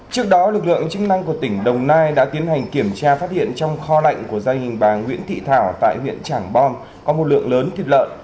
trước đó lực lượng chức năng của tỉnh đồng nai đã tiến hành kiểm tra phát hiện trong kho lạnh của gia đình bà nguyễn thị thảo tại huyện trảng bom có một lượng lớn thịt lợn